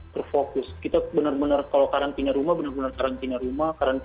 terfokus kita benar benar kalau karantina rumah benar benar karantina rumah karantina